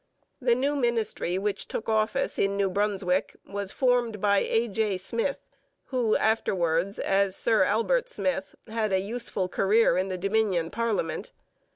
The new ministry which took office in New Brunswick was formed by A. J. Smith, who afterwards as Sir Albert Smith had a useful career in the Dominion parliament.